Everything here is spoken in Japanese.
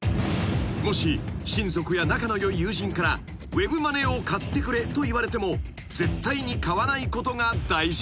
［もし親族や仲の良い友人からウェブマネーを買ってくれと言われても絶対に買わないことが大事］